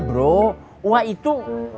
bro wah itu